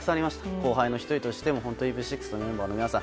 後輩の１人としてもＶ６のメンバーの皆さん